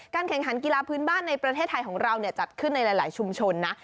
แข่งขันกีฬาพื้นบ้านในประเทศไทยของเราจัดขึ้นในหลายชุมชนนะ